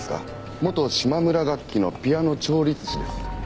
元島村楽器のピアノ調律師です。